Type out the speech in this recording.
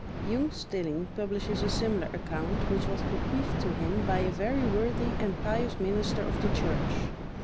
Jung Stilling publishes a similar account, which was bequeathed to him by a very worthy and pious minister of the church.